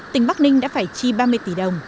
tỉnh bắc ninh đã phải chi ba mươi tỷ đồng